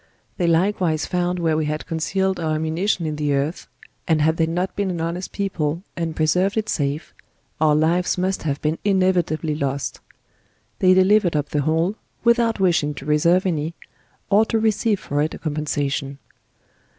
'1 hey likewise found where we had concealed our ammunition in the earth; and had they not been an honest people, and preserved it safe, our lives must have been inevitably lost; they delivered up the whole, without wishing to reserve any, or to receive for it a compen sation.